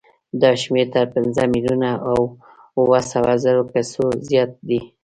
دا شمېر تر پنځه میلیونه او اوه سوه زرو کسو زیات دی.